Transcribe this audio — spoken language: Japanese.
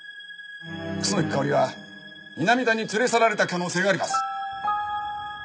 楠木香織は南田に連れ去られた可能性があります。